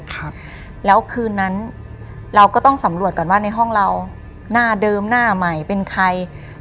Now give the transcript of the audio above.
ครับแล้วคืนนั้นเราก็ต้องสำรวจก่อนว่าในห้องเราหน้าเดิมหน้าใหม่เป็นใคร